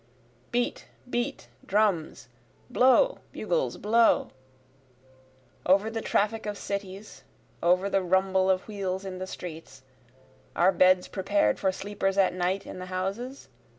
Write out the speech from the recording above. Beat! beat! drums! blow! bugles! blow! Over the traffic of cities over the rumble of wheels in the streets; Are beds prepared for sleepers at night in the houses?